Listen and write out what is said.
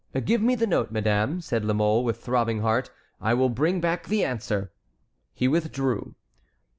"Give me the note, madame," said La Mole, with throbbing heart, "I will bring back the answer." He withdrew.